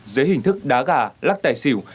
dưới hình thức đá gà lắc tài xỉu